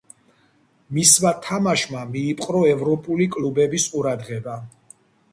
მისმა თამაშმა მიიპყრო ევროპული კლუბების ყურადღება.